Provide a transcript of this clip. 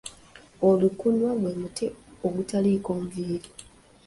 Olukuunwa gwe mutwe ogutaliiko nviiri.